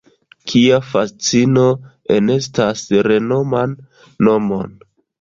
Kia fascino enestas renoman nomon!